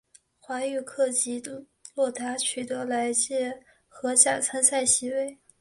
华域克及洛达取得来届荷甲参赛席位。